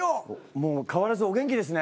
もう変わらずお元気ですね。